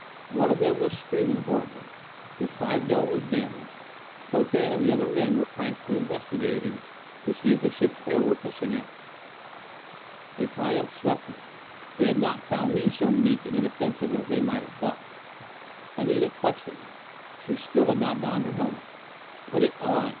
One of them was screaming horribly. The dome side was damaged. Potan and other men were frantically investigating to see if the ship's air were hissing out. A triumph swept me. They had not found me so meek and inoffensive as they might have thought! Anita clutched at me. She still had not donned her helmet. "Put it on!"